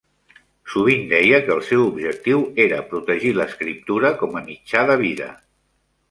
Sovint deia que el seu objectiu era protegir l'escriptura com a mitjà de vida.